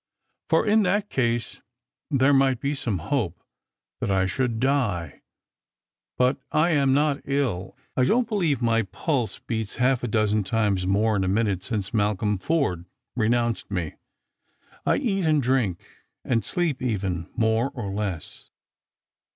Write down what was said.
" For in that case there might be some hope that I should die. But I am not ill; I don't believe my pulse beats half a dozen times more in a minute since Malcolm Forde re nounced me. I eat and drink, and sleep even, more or less.